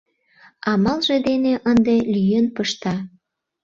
Амалже дене ынде лӱен пышта.